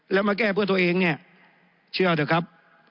แล้วมาแก้เพื่อตัวเองเนี่ยเชื่อเถอะครับ